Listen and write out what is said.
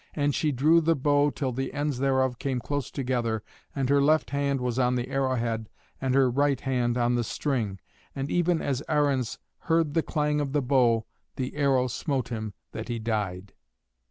And she drew the bow till the ends thereof came close together, and her left hand was on the arrowhead and her right hand on the string. And even as Arruns heard the clang of the bow the arrow smote him that he died.